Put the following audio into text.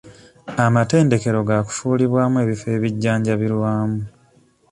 Amatendekero gaakufuulibwamu ebifo ebijjanjabirwamu.